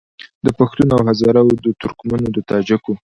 د پښتون او هزاره وو د ترکمنو د تاجکو